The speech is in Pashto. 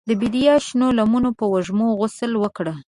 د بیدیا شنو لمنو په وږمو غسل وکړ